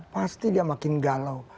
pasti dia makin galau